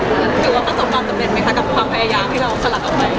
คิดว่าปัจจุบันจะเป็นไหมค่ะกับความพยายามที่เราสลักออกไป